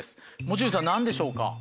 持ち主さん何でしょうか？